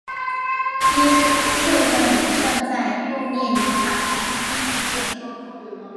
耶稣受难像在布列尼塔十分常见。